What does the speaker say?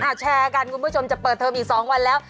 แชร์กันคุณผู้ชมจะเปิดเทอมอีก๒วันแล้ว